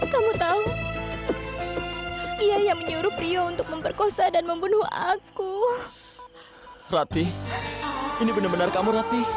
kamu tahu dia yang menyuruh rio untuk memperkosa dan membunuh aku berarti ini benar benar kamu